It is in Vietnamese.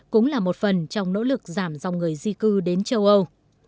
cũng là một phần trong nỗ lực giảm dòng người di cư đến châu âu